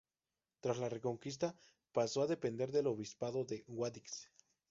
Tras la Reconquista pasó a depender del Obispado de Guadix.